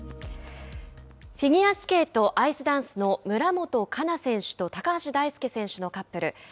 フィギュアスケートアイスダンスの村元哉中選手と高橋大輔選手のカップル。